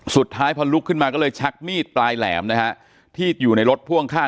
สุดท้ายพอลุกขึ้นมาก็เลยชักมีดปลายแหลมนะฮะที่อยู่ในรถพ่วงข้าง